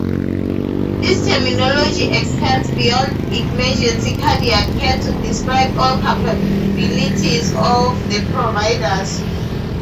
This terminology extends beyond emergency cardiac care to describe all capabilities of the providers.